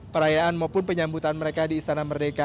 perayaan maupun penyambutan mereka di istana merdeka